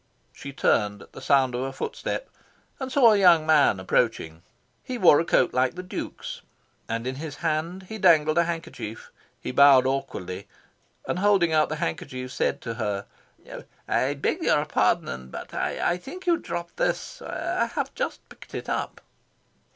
She turned at sound of a footstep, and saw a young man approaching. He wore a coat like the Duke's, and in his hand he dangled a handkerchief. He bowed awkwardly, and, holding out the handkerchief, said to her "I beg your pardon, but I think you dropped this. I have just picked it up."